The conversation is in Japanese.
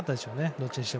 どっちにしても。